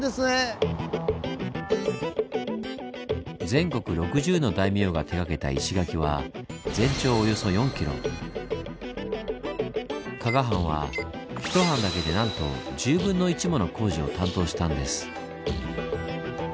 全国６０の大名が手がけた石垣は加賀藩はひと藩だけでなんと１０分の１もの工事を担当したんです。